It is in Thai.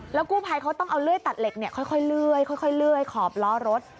แล้วกู้ภัยเขาต้องเอาเลื่อยตัดเหล็กค่อยเลื่อยขอบล้อรถ